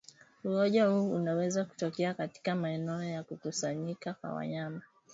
ugonjwa huu unaweza kutokea katika maeneo ya kukusanyika kwa wanyama